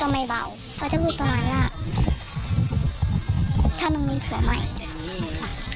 แม่ทุกคนนะเขาไม่อยากให้ลูกอ่ะไปอยู่กับคนไม่ดีหรอก